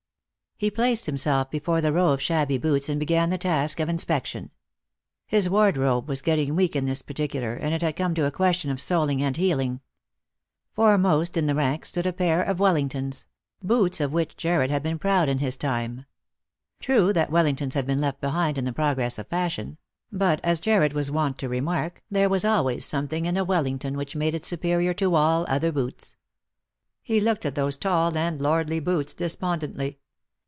He placed himself before the row of shabby boots, and began the task of inspection. His wardrobe was getting weak in this particular, and it had come to a question of soling and heeling. Foremost in the rank stood a pair of Wellingtons — boots of which Jarred had been proud in his time. True that Welling tons have been left behind in the progress of fashion ; but, as Jarred was wont to remark, there was always something in a Wellington which made it superior to all other boots. He; looked at those tall and lordly boots despondently.